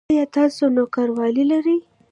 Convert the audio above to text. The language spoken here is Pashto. ایا تاسو نوکریوالي لرئ؟